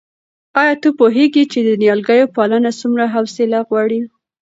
آیا ته پوهېږې چې د نیالګیو پالنه څومره حوصله غواړي؟